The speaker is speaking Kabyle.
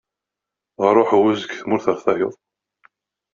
Ɣer uḥewwes deg tmurt ɣer tayeḍ.